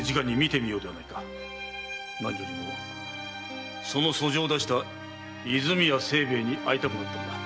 何よりもその訴状を出した和泉屋清兵衛に会いたくなった。